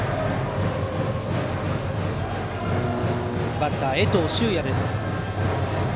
バッター、江藤柊陽です。